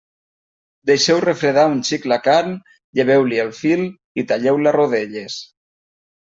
Deixeu refredar un xic la carn, lleveu-li el fil i talleu-la a rodelles.